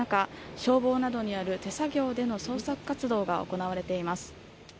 消防などによる手作業での捜索活動が続いています。